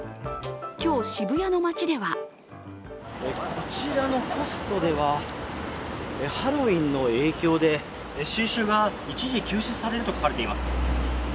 今日、渋谷の街ではこちらのポストでは、ハロウィーンの影響で収集が一時休止されると書かれています。